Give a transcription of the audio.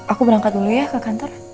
aku berangkat dulu ya ke kantor